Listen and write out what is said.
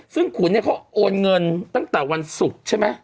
ซึ่งขุนเนี่ยเขาโอนเงินตั้งแต่วันศุกร์ใช่ไหม